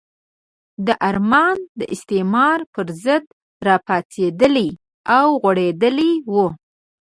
دا ارمان د استعمار پرضد راپاڅېدلی او غوړېدلی وو.